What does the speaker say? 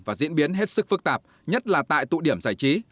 và diễn biến hết sức phức tạp nhất là tại tụ điểm giải trí